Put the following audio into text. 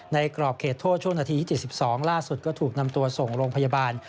กรอบเขตโทษช่วงนาทีที่๗๒ล่าสุดก็ถูกนำตัวส่งโรงพยาบาล